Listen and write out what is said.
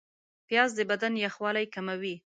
پیاز د بدن یخوالی کموي